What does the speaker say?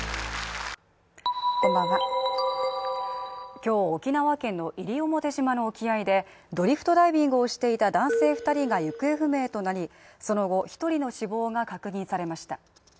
今日、沖縄県の西表島の沖合でドリフトダイビングをしていた男性２人が行方不明となり、その後、１人の死亡が確認されました。